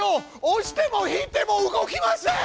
押しても引いても動きません！